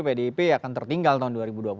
pdip akan tertinggal tahun dua ribu dua puluh empat